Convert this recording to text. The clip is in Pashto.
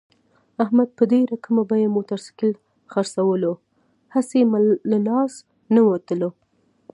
احمد په ډېره کمه بیه موټرسایکل خرڅولو، هسې مه له لاس نه ووتلو.